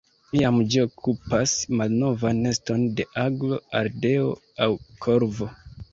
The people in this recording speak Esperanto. Iam ĝi okupas malnovan neston de aglo, ardeo aŭ korvo.